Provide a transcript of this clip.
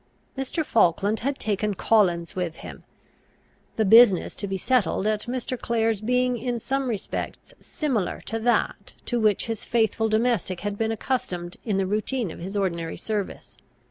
Mr. Falkland had taken Collins with him, the business to be settled at Mr. Clare's being in some respects similar to that to which this faithful domestic had been accustomed in the routine of his ordinary service.